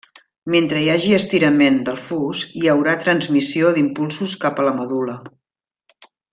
Mentre hi hagi estirament del fus, hi haurà transmissió d'impulsos cap a la medul·la.